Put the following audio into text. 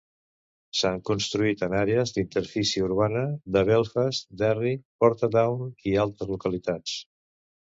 S'han construït en àrees d'interfície urbana de Belfast, Derry, Portadown i altres localitats.